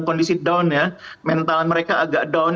kondisi down ya mental mereka agak down